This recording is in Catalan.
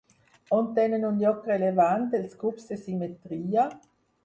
On tenen un lloc rellevant els grups de simetria?